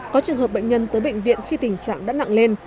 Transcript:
có trường hợp bệnh nhân tới bệnh viện khi tình trạng đã nặng lên